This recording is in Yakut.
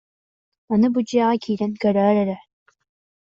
Аны бу дьиэҕэ киирэн көрөөр эрэ